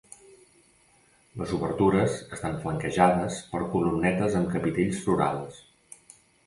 Les obertures estan flanquejades per columnetes amb capitells florals.